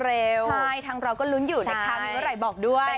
ใช่ทางเราก็ลุ้นอยู่นะคะมีเมื่อไหร่บอกด้วย